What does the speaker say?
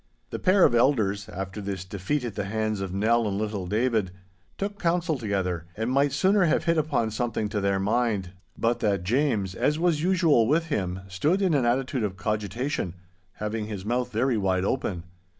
The pair of elders, after this defeat at the hands of Nell and little David, took counsel together, and might sooner have hit upon something to their mind, but that James, as was usual with him, stood in an attitude of cogitation, having his mouth very wide open.